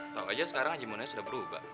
tau aja sekarang haji maimunahnya sudah berubah